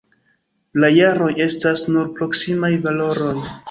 La jaroj estas nur proksimaj valoroj.